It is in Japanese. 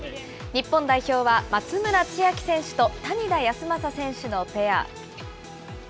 日本代表は、松村千秋選手と谷田康真選手のペア。